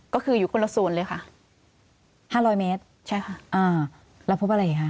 ก็คืออยู่คนละส่วนเลยค่ะห้าร้อยเมตรใช่ค่ะอ่าเราพบอะไรอีกคะ